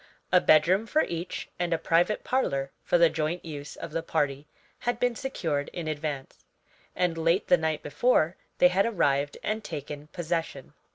A bedroom for each, and a private parlor for the joint use of the party, had been secured in advance, and late the night before they had arrived and taken possession.